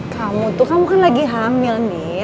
kamu tuh kamu kan lagi hamil nih